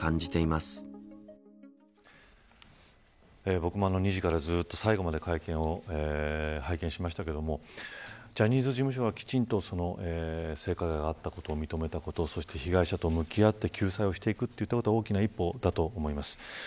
僕も２時からずっと最後まで会見を拝見しましたがジャニーズ事務所はきちんと性加害があったことを認めたことそして被害者と向き合って救済をしていくということは大きな一歩だと思います。